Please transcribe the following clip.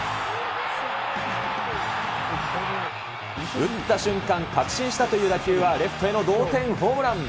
打った瞬間、確信したという打球は、レフトへの同点ホームラン。